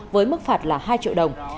với mức phạt là hai triệu đồng